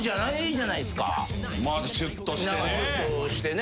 シュッとしてね。